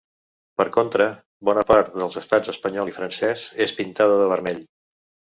Per contra, bona part dels estats espanyol i francès és pintada de vermell.